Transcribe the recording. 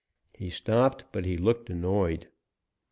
He stopped, but he looked annoyed.